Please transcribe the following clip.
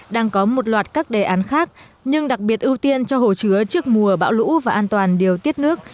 đang có một loạt các đề án khác nhưng đặc biệt ưu tiên cho hồ chứa trước mùa bão lũ và an toàn điều tiết nước